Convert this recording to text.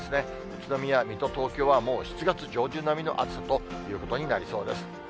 宇都宮、水戸、東京は、もう７月上旬並みの暑さということになりそうです。